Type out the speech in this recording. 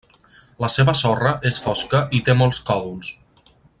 La seva sorra és fosca i té molts còdols.